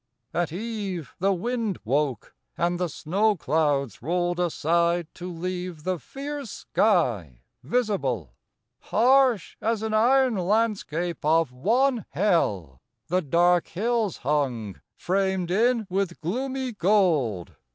At eve the wind woke, and the snow clouds rolled Aside to leave the fierce sky visible; Harsh as an iron landscape of wan hell The dark hills hung framed in with gloomy gold.